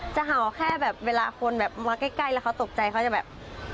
เห่าแค่แบบเวลาคนแบบมาใกล้แล้วเขาตกใจเขาจะแบบ